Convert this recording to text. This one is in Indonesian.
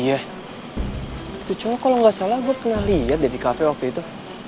itu cowok kalau gak salah gue kenal lihat deh di cafe waktu itu